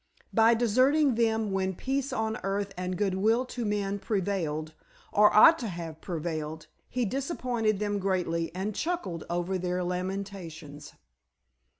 By deserting them when peace on earth and goodwill to men prevailed, or ought to have prevailed, he disappointed them greatly and chuckled over their lamentations.